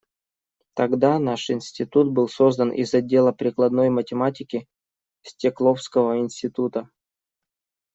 Тогда наш институт был создан из отдела прикладной математики Стекловского института.